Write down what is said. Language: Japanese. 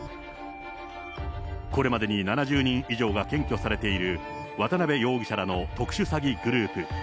これまでに７０人以上が検挙されている渡辺容疑者らの特殊詐欺グループ。